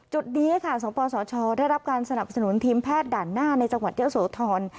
จุดนี้ค่ะสปสชได้รับการสนับสนุนทีมแพทย์ด่านหน้าในจังหวัดเยอะโสธร